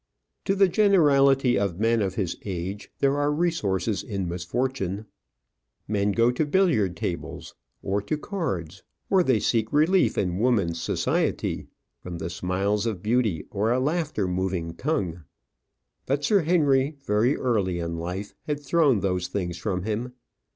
To the generality of men of his age, there are resources in misfortune. Men go to billiard tables, or to cards, or they seek relief in woman's society, from the smiles of beauty, or a laughter moving tongue. But Sir Henry, very early in life, had thrown those things from him.